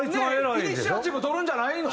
イニシアチブ取るんじゃないの？